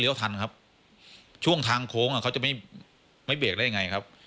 ทันครับช่วงทางโค้งอ่ะเขาจะไม่ไม่เบรกได้ยังไงครับ